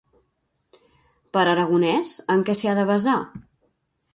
Per a Aragonès, en què s'hi ha de basar?